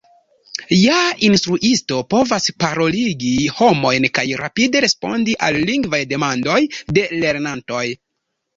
Ja instruisto povas paroligi homojn kaj rapide respondi al lingvaj demandoj de lernantoj.